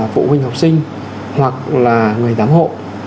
phụ huynh học sinh hoặc là người tám hộ